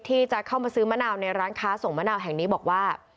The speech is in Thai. ที่จะเข้ามาซื้อมะนาวในร้านค้าส่งมะนาวแห่งนี้บอกว่า